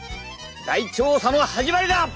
大調査の始まりだ！